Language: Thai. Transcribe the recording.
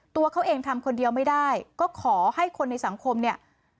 ตัวเขาเองทำคนเดียวไม่ได้ก็ขอให้คนในสังคมเนี่ย